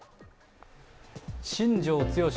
新庄剛志